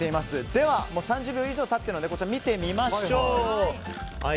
では、３０秒以上経っているので見てみましょう。